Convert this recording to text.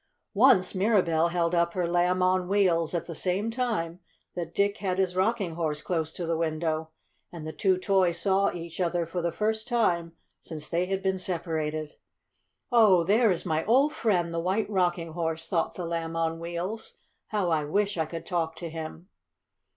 Once Mirabell held up her Lamb on Wheels at the same time that Dick had his Rocking Horse close to the window, and the two toys saw each other for the first time since they had been separated. "Oh, there is my old friend, the White Rocking Horse!" thought the Lamb on Wheels. "How I wish I could talk to him."